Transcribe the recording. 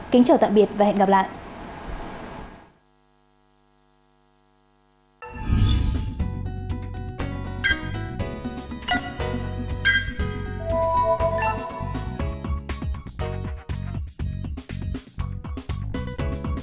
kính chào tạm biệt và hẹn gặp lại